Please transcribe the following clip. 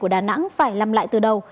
của đà nẵng phải làm lại từ đầu